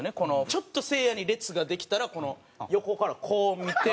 ちょっとせいやに列ができたら横からこう見て。